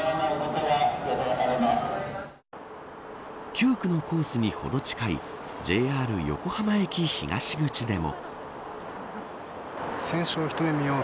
９区のコースにほど近いＪＲ横浜駅東口でも。